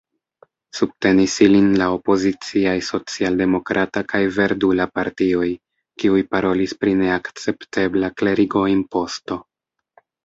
Subtenis ilin la opoziciaj Socialdemokrata kaj Verdula Partioj, kiuj parolis pri neakceptebla klerigo-imposto.